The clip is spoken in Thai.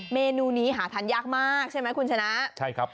เมนูนี้หาทานยากมากใช่ไหมคุณชนะใช่ครับ